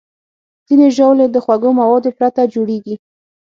ځینې ژاولې د خوږو موادو پرته جوړېږي.